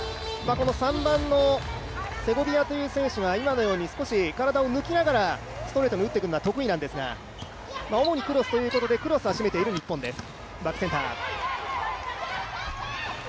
３番のセゴビアという選手は今のように少し体を抜きながら、ストレートに打ってくるのが得意なんですが主にクロスということでクロスを占めている日本です。